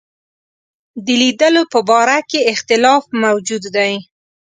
د لیدلو په باره کې اختلاف موجود دی.